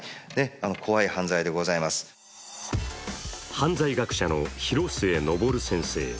犯罪学者の廣末登先生。